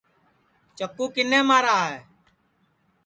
چکُو کِنے مارا ہے